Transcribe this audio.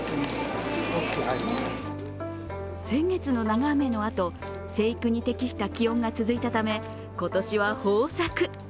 先月の長雨のあと、生育に適した気温が続いたため今年は豊作。